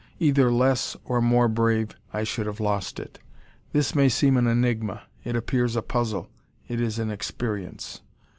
Either less or more brave, I should have lost it. This may seem an enigma; it appears a puzzle; it is an experience.